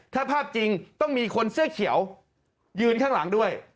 ถ้าภาพจริงต้องมีคนเสื้อเขียวยืนข้างหลังด้วย